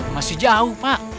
masih jauh pak